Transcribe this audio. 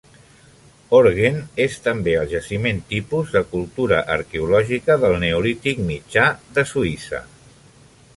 Horgen és també el jaciment tipus de cultura arqueològica del neolític mitjà de Suïssa.